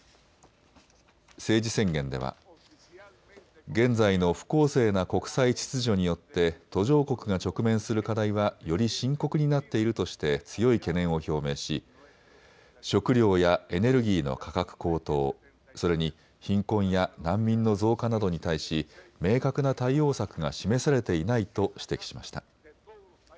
政治宣言では現在の不公正な国際秩序によって途上国が直面する課題はより深刻になっているとして強い懸念を表明し食料やエネルギーの価格高騰、それに貧困や難民の増加などに対し、明確な対応策が示されていないと指摘しました。